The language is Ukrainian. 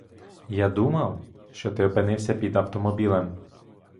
Я думав, що ти опинився під автомобілем.